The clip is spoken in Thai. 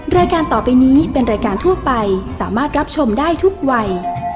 รายการต่อไปนี้เป็นรายการทั่วไปสามารถรับชมได้ทุกวัย